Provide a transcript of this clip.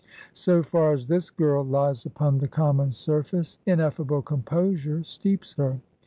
So far as this girl lies upon the common surface, ineffable composure steeps her.